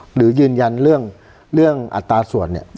หรือยืนยันเรื่องเรื่องอัตราส่วนเนี่ยครับ